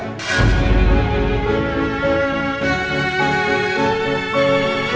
apa yang akan aku lakukan